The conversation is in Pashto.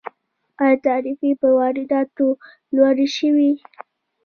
آیا تعرفې په وارداتو لوړې شوي؟